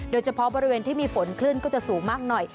โดยเฉพาะบริเวณที่มีฝนคลื่นก็จะสูงมากหน่อย